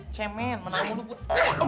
cemen menang lo pun